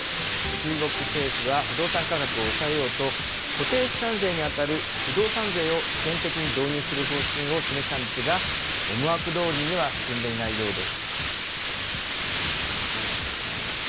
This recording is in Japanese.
中国政府は不動産価格を抑えようと、固定資産税に当たる不動産税を試験的に導入する方針を示したんですが、思惑どおりには進んでいないようです。